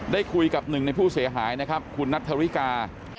ได้คุยกับหนึ่งในผู้เสียหายนะครับคุณนัทธริกา